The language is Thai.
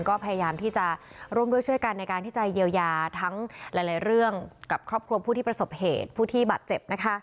ก็พยายามที่จะร่วมด้วยช่วยกันในการที่จะเยียวยาทั้งหลายเรื่องกับครอบครัวผู้ที่ประสบเหตุผู้ที่บาดเจ็บนะคะ